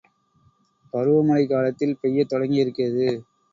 பருவ மழை காலத்தில் பெய்யத் தொடங்கியிருக்கிறது.